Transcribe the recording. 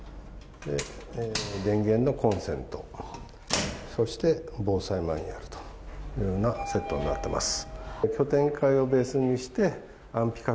電源のコンセントそして、防災マニュアルというようなセットになっています。